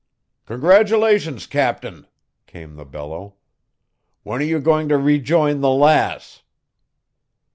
"Congratulations, captain!" came the bellow. "When are you going to rejoin the _Lass?